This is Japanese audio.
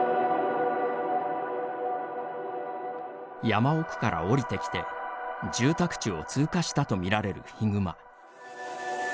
山奥から下りてきて住宅地を通過したとみられるヒグマ。